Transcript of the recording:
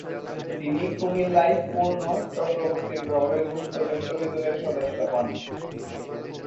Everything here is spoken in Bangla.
তিনি কুমিল্লায় পূর্ণ চক্রবর্তীর প্রভাবে গুপ্ত বিপ্লবী দলের সদস্য হন।